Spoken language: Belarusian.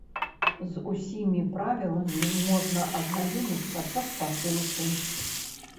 З усімі правіламі можна азнаёміцца па спасылцы.